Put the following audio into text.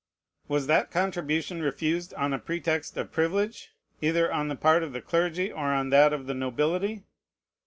Was that contribution refused on a pretext of privilege, either on the part of the clergy, or on that of the nobility?